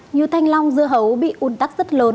như thanh long dưa hấu bị un tắc rất lớn